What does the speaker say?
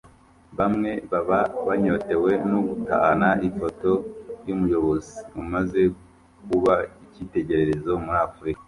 bamwe baba banyotewe no gutahana ifoto y’umuyobozi umaze kuba icyitegererezo muri Afurika